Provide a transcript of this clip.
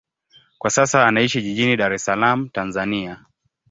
Kwa sasa anaishi jijini Dar es Salaam, Tanzania.